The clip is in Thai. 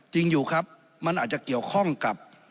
จริงอยู่ครับมันอาจจะเกี่ยวข้องกับ